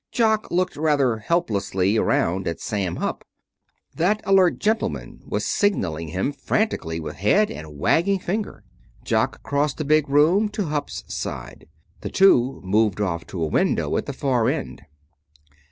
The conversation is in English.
Jock looked rather helplessly around at Sam Hupp. That alert gentleman was signaling him frantically with head and wagging finger. Jock crossed the big room to Hupp's side. The two moved off to a window at the far end.